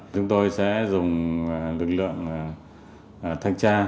chúng tôi sẽ dùng lực lượng thanh tra